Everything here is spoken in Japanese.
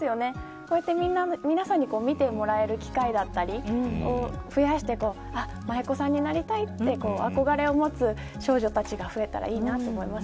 こうやって皆さんに見てもらえる機会だったりを増やして舞子さんになりたいってあこがれをもつ少女たちが増えたらいいなと思います。